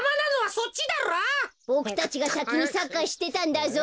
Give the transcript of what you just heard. ボクたちがさきにサッカーしてたんだぞ。